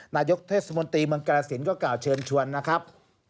นายกเทศมนตรีเมืองกรสินก็กล่าวเชิญชวนนะครับ